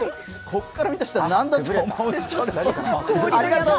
ここから見た人は何だと思う